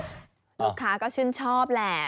ลูกค้าก็ชื่นชอบแหละ